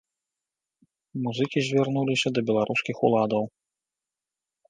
Музыкі звярнуліся з да беларускіх уладаў.